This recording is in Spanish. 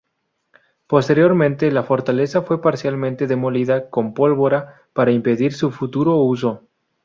Posteriormente la fortaleza fue parcialmente demolida con pólvora para impedir su futuro uso.